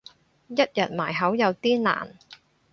一日埋口有啲難